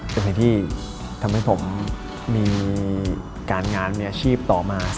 เป็นสิ่งที่ทำให้ผมมีการงานมีอาชีพต่อมา